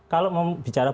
kalau mau bicara